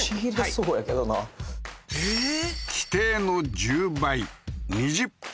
規定の１０倍２０分